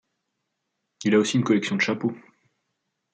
Il a aussi une collection de chapeaux.